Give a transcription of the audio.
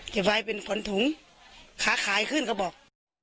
จะไปเป็นขนถุงค้าขายขึ้นก็บอก